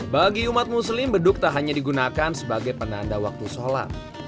bagi umat muslim beduk tak hanya digunakan sebagai penanda waktu sholat